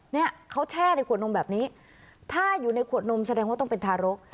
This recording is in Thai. เนี่ยเขาแช่ในขวดนมแบบนี้ถ้าอยู่ในขวดนมแสดงว่าต้องเป็นทารก